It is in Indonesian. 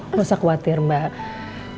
tuh jangan khawatir mbak